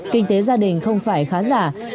kinh tế gia đình không phải khá giả